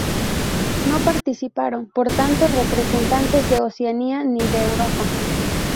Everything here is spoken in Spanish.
No participaron, por tanto, representantes de Oceanía ni de Europa.